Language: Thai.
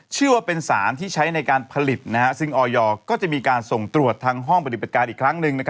เชื่อว่าเป็นสารที่ใช้ในการผลิตซึ่งออยก็จะมีการส่งตรวจทางห้องปฏิบัติการอีกครั้งหนึ่ง